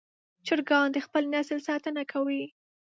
چرګان د خپل نسل ساتنه کوي.